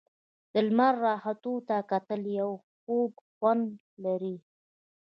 د لمر راختو ته کتل یو خوږ خوند لري.